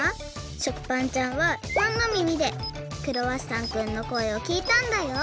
食パンちゃんはパンのみみでクロワッサンくんのこえをきいたんだよ。